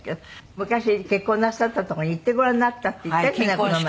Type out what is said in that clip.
昔結婚なさった所に行ってごらんになったって言ったじゃないこの前。